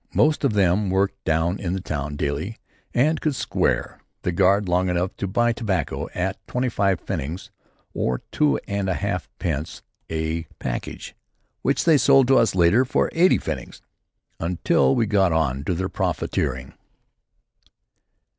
Most of them worked down in the town daily and could "square" the guard long enough to buy tobacco at twenty five pfennigs or two and a half pence a package, which they sold to us later at eighty pfennigs until we got on to their profiteering.